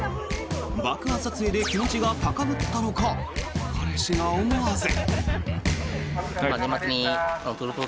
爆破撮影で気持ちが高ぶったのか彼氏が思わず。